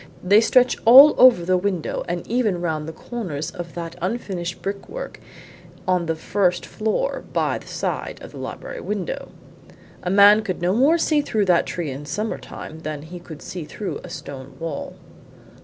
They stretch all over the window and even round the corners of that unfinished brickwork on the first floor by the side of the library window. A man could no more see through that tree in summer time than he could see through a stone wall."